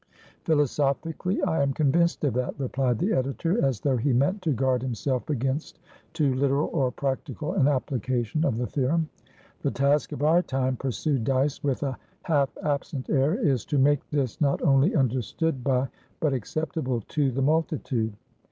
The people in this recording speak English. "Philosophically, I am convinced of that," replied the editor, as though he meant to guard himself against too literal or practical an application of the theorem. "The task of our time," pursued Dyce, with a half absent air, "is to make this not only understood by, but acceptable to, the multitude.